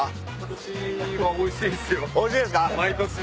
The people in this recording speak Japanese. おいしいですか。